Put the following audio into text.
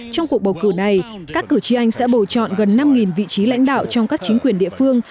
trong cuộc bầu cử này các cử tri anh sẽ bầu chọn gần năm vị trí lãnh đạo trong các chính quyền địa phương